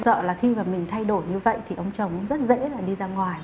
sợ là khi mà mình thay đổi như vậy thì ông chồng cũng rất dễ là đi ra ngoài